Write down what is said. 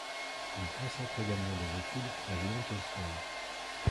Il consacre également des études à Léon Tolstoï.